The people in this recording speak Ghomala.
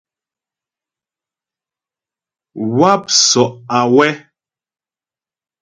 Wáp sɔ' awɛ́.